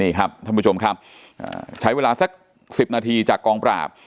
นี่ครับท่านผู้ชมครับใช้เวลาสัก๑๐นาทีจากกองปราบ